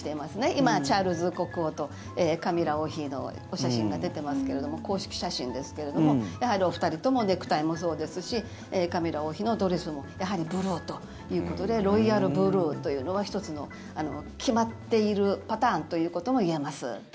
今、チャールズ国王とカミラ王妃のお写真が出てますけれども公式写真ですけれどもやはり、お二人ともネクタイもそうですしカミラ王妃のドレスもやはりブルーということでロイヤルブルーというのは１つの決まっているパターンということもいえます。